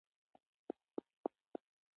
مورنۍ ژبه په زده کړه کې هېڅ ډول ستونزه نه جوړوي.